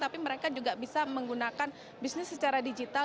tapi mereka juga bisa menggunakan bisnis secara digital